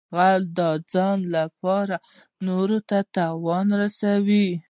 غل د ځان لپاره نورو ته تاوان رسوي